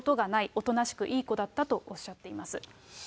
おとなしくいい子だったとおっしゃっています。